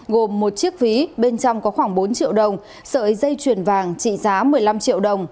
gồm một chiếc ví bên trong có khoảng bốn triệu đồng sợi dây chuyền vàng trị giá một mươi năm triệu đồng